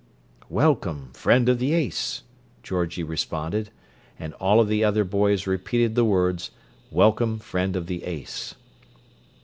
"Welcome, Friend of the Ace," Georgie responded, and all of the other boys repeated the words, "Welcome, Friend of the Ace."